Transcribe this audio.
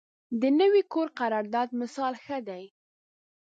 د نوي کور قرارداد مثال ښه دی.